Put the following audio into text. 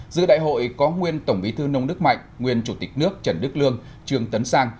giữa đại hội có nguyên tổng bí thư nông đức mạnh nguyên chủ tịch nước trần đức lương trương tấn sang